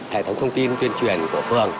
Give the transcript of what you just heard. hệ thống thông tin tuyên truyền của phường